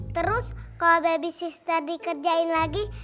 terus kalo babi sister dikerjain lagi